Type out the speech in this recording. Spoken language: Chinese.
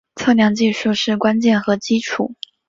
测量技术是关键和基础。